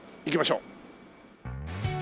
行きましょう。